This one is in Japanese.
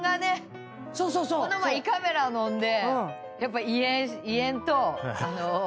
この前胃カメラのんでやっぱ胃炎と。